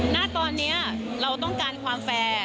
ณตอนนี้เราต้องการความแฟร์